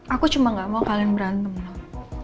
aku cuma gak mau kalian berantem dong